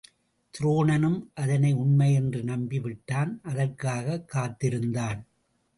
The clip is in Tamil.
துரோணனும் அதனை உண்மை என்று நம்பி விட்டான், அதற்காகக் காத்து இருந்தான்.